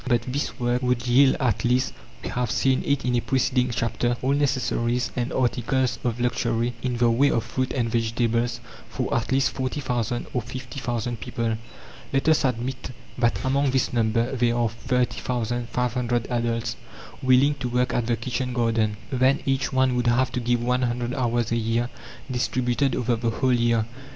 But this work would yield at least we have seen it in a preceding chapter all necessaries and articles of luxury in the way of fruit and vegetables for at least 40,000 or 50,000 people. Let us admit that among this number there are 13,500 adults, willing to work at the kitchen garden; then, each one would have to give 100 hours a year distributed over the whole year.